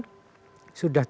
sudah tidak layak makan